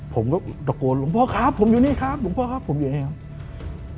ผมก็ตะโกนหลวงพ่อครับผมอยู่นี่ครับหลวงพ่อครับผมอยู่นี่ครับ